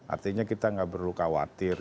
artinya kita nggak perlu khawatir